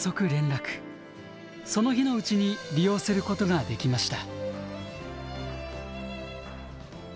その日のうちに利用することができました。